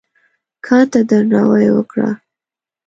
کان ته درناوی وکړه.